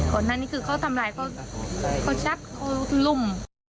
ก่อนหน้านี้คือเขาทำร้ายเขาเขาชักเขารุ่ม